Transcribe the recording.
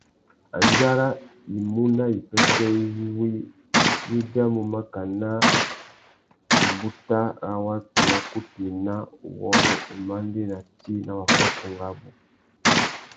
Andjara i mú nà wipêssê iwí i udjamú mákànà râ watu wa kutu ena, uwôrrô, umandēna tsi na wakōkôngô wabú.